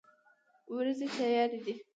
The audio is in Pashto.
ورېځې تیارې دي